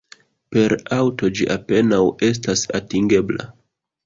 Per aŭto ĝi apenaŭ estas atingebla.